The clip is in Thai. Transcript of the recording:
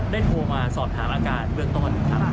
ได้โทรมาสอบถามอากาศเบื้องต้น